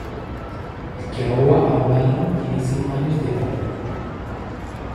El que roba a un ladrón tiene cien años de perdón.